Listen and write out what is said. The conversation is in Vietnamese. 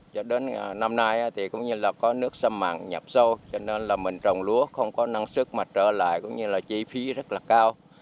cho đến năm nay thì cũng như là có nước xâm mặn nhập sâu cho nên là mình trồng lúa không có năng sức mạnh trở lại cũng như là chi phí rất là cao